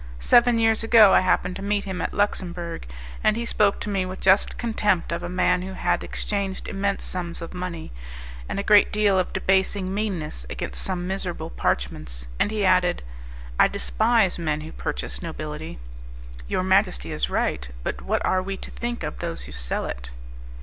Seven years ago I happened to meet him at Luxemburg, and he spoke to me with just contempt of a man who had exchanged immense sums of money, and a great deal of debasing meanness against some miserable parchments, and he added, "I despise men who purchase nobility." "Your majesty is right, but what are we to think of those who sell it?"